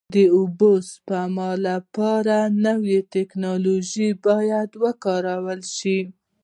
د اوبو د سپما لپاره نوې ټکنالوژي باید وکارول شي.